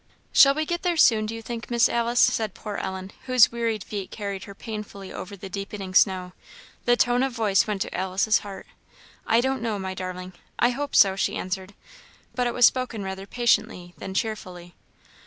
"Shall we get there soon, do you think, Miss Alice?" said poor Ellen, whose wearied feet carried her painfully over the deepening snow. The tone of voice went to Alice's heart. "I don't know, my darling; I hope so," she answered, but it was spoken rather patiently than cheerfully.